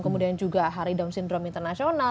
kemudian juga hari down syndrome internasional